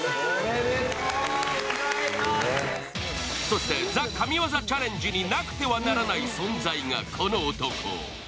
そして「ＴＨＥ神業チャレンジ」になくてはならない存在が、この男。